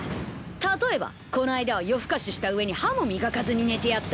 例えばこないだは夜更かししたうえに歯も磨かずに寝てやった。